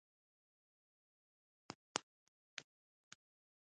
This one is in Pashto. زما اروا څټي ششنیږې